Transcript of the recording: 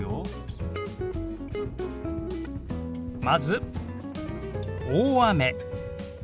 まず「大雨」。